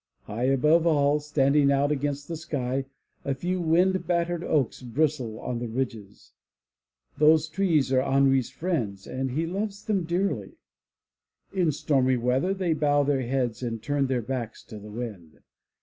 High above all, standing out against the sky, a few wind battered oaks bristle on the ridges. Those trees are Henri's friends and he loves them dearly. In stormy weather they bow their heads and turn their backs to the wind.